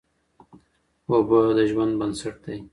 اوبه د ژوند بنسټ دی.